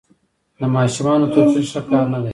د ماشومانو توپیر ښه کار نه دی.